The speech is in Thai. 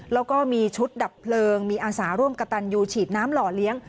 แล้วก็มีชุดดับเพลิงมีอาสาร่วมกระตันยูฉีดน้ำหล่อเลี้ยง